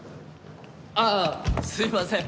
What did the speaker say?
ああすいません！